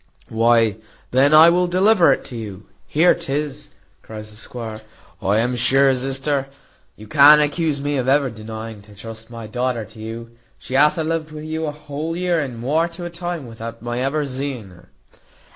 "Why then I will deliver it to you. There 'tis," cries the squire. "I am sure, sister, you can't accuse me of ever denying to trust my daughter to you. She hath a lived wi' you a whole year and muore to a time, without my ever zeeing her."